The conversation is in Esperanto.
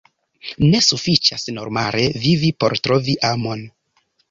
Ne sufiĉas normale vivi por trovi amon.